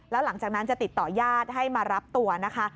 แล้วหลังจากนั้นจะติดต่อญาติให้มารับตัวนะคะ